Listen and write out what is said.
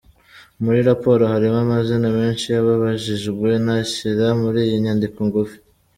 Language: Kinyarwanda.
Muri raporo harimo amazina menshi y’ababajijwe ntashyira muri iyi nyandiko ngufi.